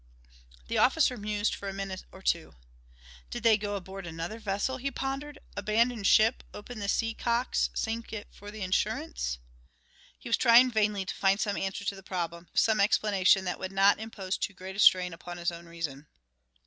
The officer mused for a minute or two. "Did they go aboard another vessel?" he pondered. "Abandon ship open the sea cocks sink it for the insurance?" He was trying vainly to find some answer to the problem, some explanation that would not impose too great a strain upon his own reason.